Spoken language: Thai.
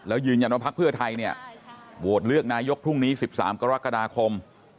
แล้วยืนยันว่าพักเพื่อไทยเนี่ยโหวตเลือกนายกพรุ่งนี้๑๓กรกฎาคม